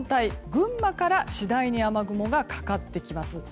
群馬から次第に雨雲がかかってきます。